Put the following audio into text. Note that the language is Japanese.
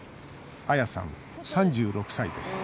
アヤさん、３６歳です